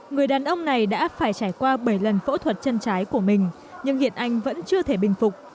người đàn ông này đã phải trải qua bảy lần phẫu thuật chân trái của mình nhưng hiện anh vẫn chưa thể bình phục